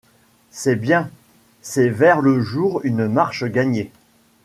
C’est bien. C’est vers le jour une marche gagnée.